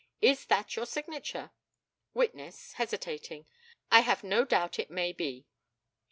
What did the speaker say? Is that your signature? Witness (hesitating) I have no doubt it may be.